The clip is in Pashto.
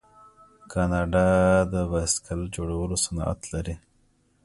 کاناډا د بایسکل جوړولو صنعت لري.